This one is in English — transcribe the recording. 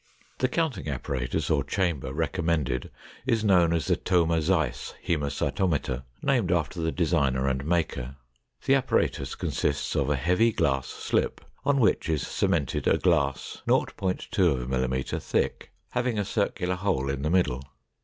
The counting apparatus or chamber recommended is known as the Thoma Zeiss haemacytometer, named from the designer and maker. The apparatus consists of a heavy glass slip, on which is cemented a glass 0.2 mm thick, having a circular hole in the middle.